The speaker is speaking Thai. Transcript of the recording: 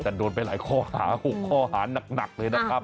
แต่โดนไปหลายข้อหา๖ข้อหานักเลยนะครับ